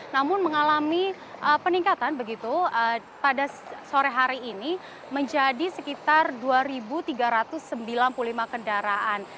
namun mengalami peningkatan begitu pada sore hari ini menjadi sekitar dua tiga ratus sembilan puluh lima kendaraan